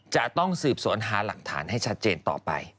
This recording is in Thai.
จะต้องสืบสวนหาหลักฐานให้ชัดเจนต่อไป